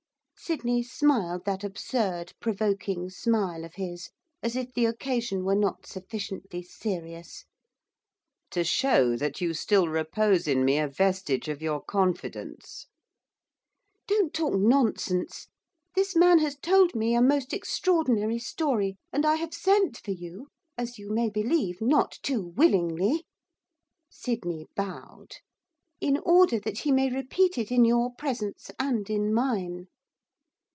Sydney smiled that absurd, provoking smile of his, as if the occasion were not sufficiently serious. 'To show that you still repose in me a vestige of your confidence.' 'Don't talk nonsense. This man has told me a most extraordinary story, and I have sent for you as you may believe, not too willingly' Sydney bowed 'in order that he may repeat it in your presence, and in mine.